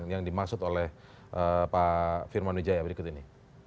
yang dimaksud oleh pak firman wijaya berikut ini